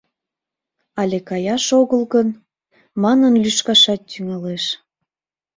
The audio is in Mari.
Але каяш огыл гын?» — манын, лӱшкашат тӱҥалеш.